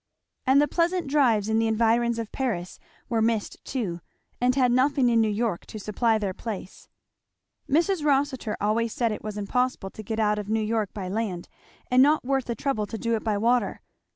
And the pleasant drives in the environs of Paris were missed too and had nothing in New York to supply their place. Mrs. Rossitur always said it was impossible to get out of New York by land, and not worth the trouble to do it by water.